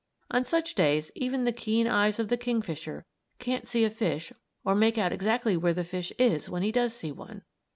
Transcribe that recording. On such days even the keen eyes of the kingfisher can't see a fish or make out exactly where the fish is when he does see one.